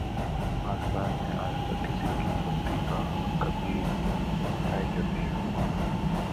پاکستان میں آج تک کسی کی غلطی کا کبھی تعین نہیں ہوا